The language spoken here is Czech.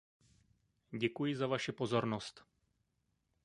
Děkuji za vaši pozornost.